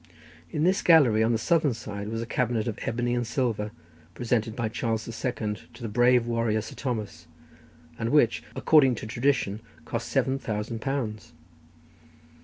In this gallery, on the southern side, was a cabinet of ebony and silver, presented by Charles the Second to the brave warrior Sir Thomas, and which, according to tradition, cost seven thousand pounds.